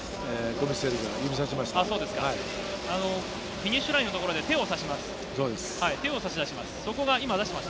フィニッシュラインの所で手を差し出します。